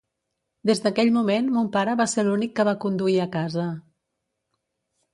Des d’aquell moment, mon pare va ser l’únic que va conduir a casa.